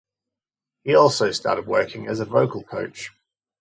He also started working as vocal coach.